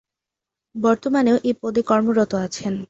বর্তমানেও এই পদে কর্মরত আছেন।